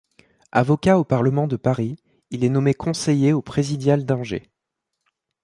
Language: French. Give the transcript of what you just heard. Avocat au Parlement de Paris, il est nommé conseiller au présidial d'Angers.